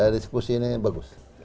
diskusi ini bagus